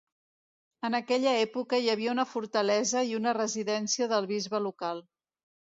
En aquella època hi havia una fortalesa i una residència del bisbe local.